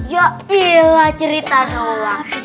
ya pilih lah cerita nola